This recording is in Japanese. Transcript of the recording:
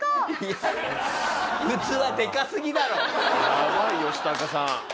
やばいヨシタカさん。